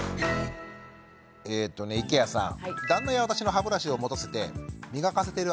えっとね池谷さん。